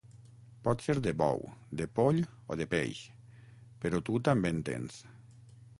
Pot ser de bou, de poll o de peix, però tu també en tens.